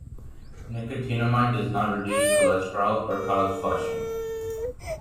Nicotinamide does not reduce cholesterol or cause flushing.